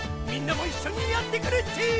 みんなもいっしょにやってくれっち！